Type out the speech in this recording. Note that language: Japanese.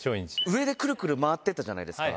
上でクルクル回ってたじゃないですか。